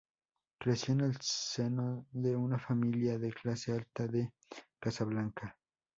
Creció en el seno de una familia de clase alta de Casablanca.